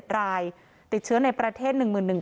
๑๑๓๙๗รายติดเชื้อในประเทศ๑๑๐๗๙